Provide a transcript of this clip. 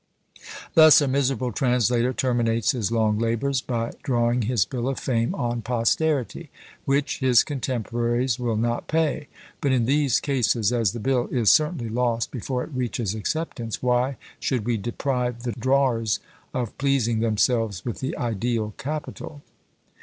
Thus a miserable translator terminates his long labours, by drawing his bill of fame on posterity, which his contemporaries will not pay; but in these cases, as the bill is certainly lost before it reaches acceptance, why should we deprive the drawers of pleasing themselves with the ideal capital?